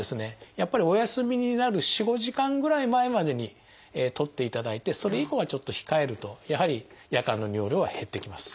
やっぱりお休みになる４５時間ぐらい前までにとっていただいてそれ以降はちょっと控えるとやはり夜間の尿量は減ってきます。